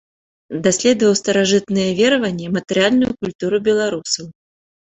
Даследаваў старажытныя вераванні, матэрыяльную культуру беларусаў.